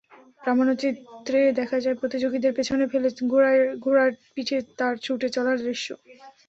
প্রামাণ্যচিত্রে দেখা যায় প্রতিযোগীদের পেছনে ফেলে ঘোড়ার পিঠে তার ছুটে চলার দৃশ্য।